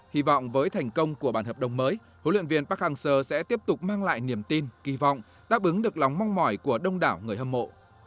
hy vọng với thành công của bản hợp đồng mới huấn luyện viên park hang seo sẽ tiếp tục mang lại niềm tin kỳ vọng đáp ứng được lòng mong mỏi của đông đảo người hâm mộ